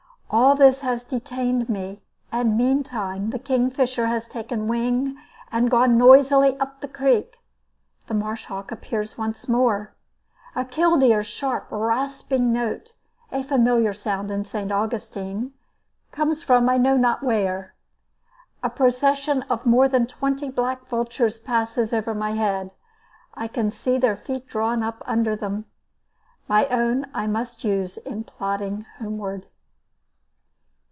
All this has detained me, and meantime the kingfisher has taken wing and gone noisily up the creek. The marsh hawk appears once more. A killdeer's sharp, rasping note a familiar sound in St. Augustine comes from I know not where. A procession of more than twenty black vultures passes over my head. I can see their feet drawn up under them. My own I must use in plodding homeward.